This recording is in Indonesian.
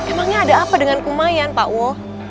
emangnya ada apa dengan kumayan pak wo